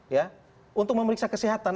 ya untuk memeriksa kesehatan